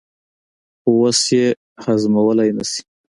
خو اوس یې هضمولای نه شي.